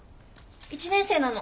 １年生なの。